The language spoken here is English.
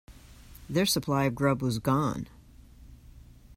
Their supply of grub was gone.